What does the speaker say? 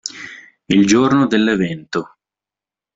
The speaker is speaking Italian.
Il giorno dell'evento.